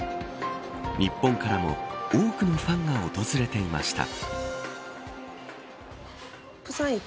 日本からも多くのファンが訪れていました。